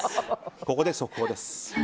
ここで速報です。